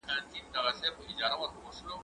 زه اوس سبا ته فکر کوم؟!